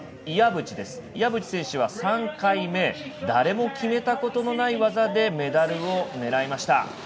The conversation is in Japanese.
岩渕選手は３回目誰も決めたことのない技でメダルを狙いました。